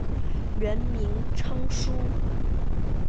原名昌枢。